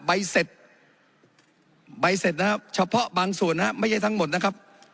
ใบเสร็จใบเสร็จนะครับเฉพาะบางส่วนนะครับไม่ใช่ทั้งหมดนะครับ